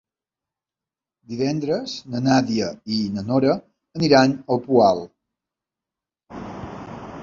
Divendres na Nàdia i na Nora aniran al Poal.